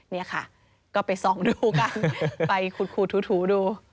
เนี่ยค่ะก็ไปซองดูกันไปคูดทูดู